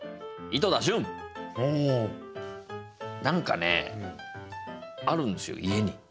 何かねあるんですよ家に。